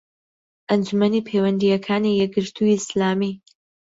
ئەنجومەنی پەیوەندییەکانی یەکگرتووی ئیسلامی